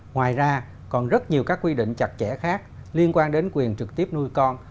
ngoài ra còn rất nhiều các quy định chặt chẽ khác liên quan đến quyền trực tiếp nuôi con